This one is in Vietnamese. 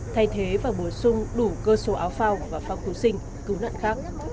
thay thế và bổ sung đủ cơ số áo phao và phao cứu sinh cứu nạn khác